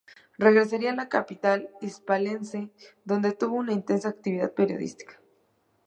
Regresaría a la capital hispalense, donde tuvo una intensa actividad periodística.